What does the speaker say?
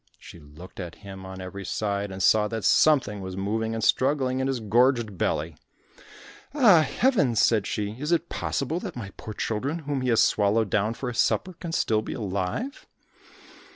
She looked at him on every side and saw that something was moving and struggling in his gorged belly. "Ah, heavens," said she, "is it possible that my poor children whom he has swallowed down for his supper, can be still alive?"